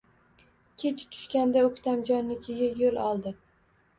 Kech tushganda O`ktamjonnikiga yo`l oldi